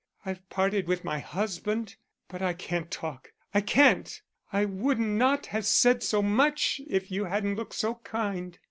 I've parted with my husband but I can't talk, I can't. I would not have said so much if you hadn't looked so kind."